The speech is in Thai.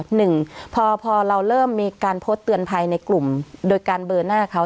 หนึ่งพอเราเริ่มมีการโพสต์เตือนภัยในกลุ่มโดยการเบอร์หน้าเขา